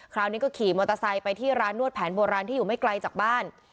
คราวนี้ก็ขี่มอเตอร์ไซค์ไปที่ร้านนวดแผนโบราณที่อยู่ไม่ไกลจากบ้าน